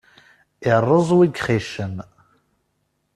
Iṛṛeẓ wi gxicen.